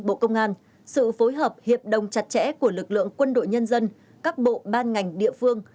bộ công an sự phối hợp hiệp đồng chặt chẽ của lực lượng quân đội nhân dân các bộ ban ngành địa phương